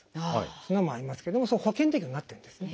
そんなのもありますけどもそれ保険適用になってるんですね。